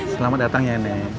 selamat datang ya nek